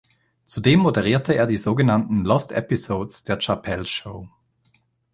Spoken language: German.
Zudem moderierte er die sogenannten „Lost Episodes“ der Chappelle’s Show.